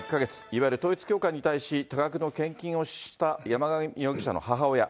いわゆる統一教会に対し、多額の献金をした山上容疑者の母親。